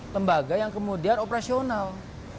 lembaga yang kemudian operasional